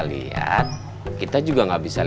kalau kita lewat jalan kecil aja pa